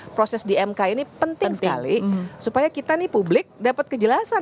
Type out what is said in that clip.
proses di mk ini penting sekali supaya kita nih publik dapat kejelasan